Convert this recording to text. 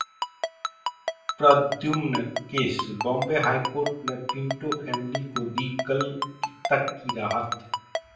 Pradyumna case: Bombay high court ने Pinto family को दी कल तक की राहत